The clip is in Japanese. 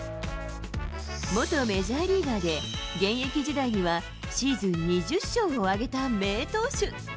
元メジャーリーガーで、現役時代にはシーズン２０勝を挙げた名投手。